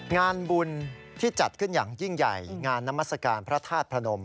งานบุญที่จัดขึ้นอย่างยิ่งใหญ่งานนามัศกาลพระธาตุพระนม